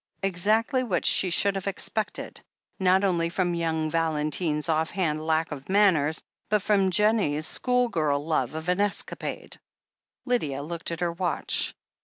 Exactly what she should have expected — ^not only from young Valentine's off hand lade of manners, but from Jennie's schoolgirl love of an escapade. Lydia looked at her watch.